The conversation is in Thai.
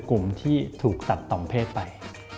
กลุ่มที่ถูกตัดต่อมเพศไป